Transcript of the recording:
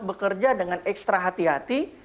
bekerja dengan ekstra hati hati